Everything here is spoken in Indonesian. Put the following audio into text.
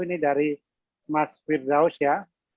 ini dari mas firdaus ya